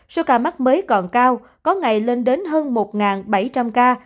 số ca mắc mới còn cao có ngày lên đến hơn một bảy trăm linh ca